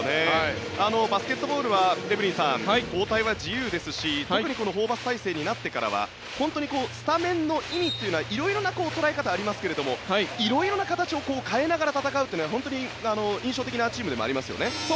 バスケットボールはエブリンさん交代は自由ですし特にホーバス体制になってからは本当にスタメンの意味というのは色々な捉え方がありますが色々な形を変えながら戦うというのは本当に印象的なチームでもありますよね。